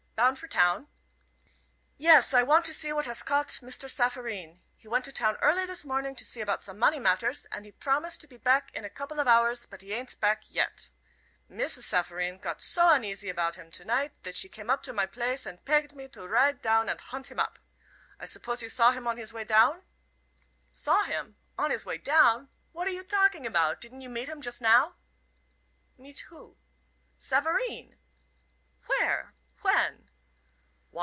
Bound for town?" "Yes, I want to see what has cot Mr. Safareen. He went to town early this morning to see about some money matters, and promised to pe pack in a couple of hours, put he ain't pack yet. Mrs. Safareen cot so uneasy apout him to night, that she came up to my place and pegged me to ride down and hunt him up. I suppose you saw him on his way down?" "Saw him! On his way down! What are you talking about? Didn't you meet him just now?" "Meet who?" "Savareen." "Where? When?"